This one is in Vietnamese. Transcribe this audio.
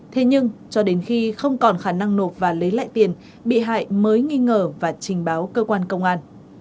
thế nhưng cho đến khi không còn khả năng nộp và lấy lại tiền bị hại mới nghi ngờ và trình báo cơ quan công an